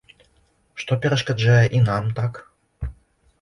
Што перашкаджае і нам так?